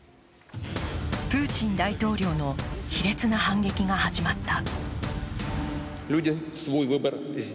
プーチン大統領の卑劣な反撃が始まった。